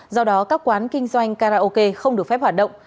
do đó các quán kinh doanh karaoke không được phép hoạt động